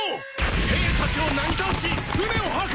兵たちをなぎ倒し船を破壊！